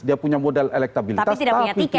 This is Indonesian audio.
dia punya modal elektabilitas tapi tidak punya tiket